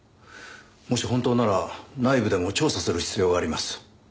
もし本当なら内部でも調査する必要があります。